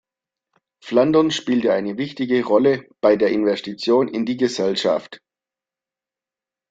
Flandern spielte eine wichtige Rolle bei der Investition in die Gesellschaft.